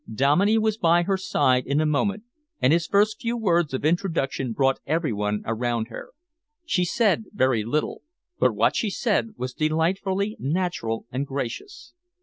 Dominey was by her side in a moment, and his first few words of introduction brought every one around her. She said very little, but what she said was delightfully natural and gracious.